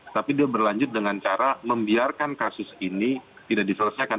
tapi dia berlanjut dengan cara membiarkan kasus ini tidak diselesaikan